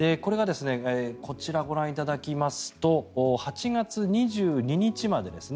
こちら、ご覧いただきますと８月２２日までですね。